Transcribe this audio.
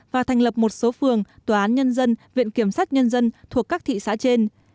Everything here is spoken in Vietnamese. và thành lập một số phường tòa án nhân dân viện kiểm sát nhân dân thuộc các thị xã trên